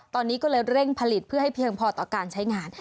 ตอนนี้ก็เลยเร่งผลิตเพื่อให้เพียงพอต่อการใช้งาน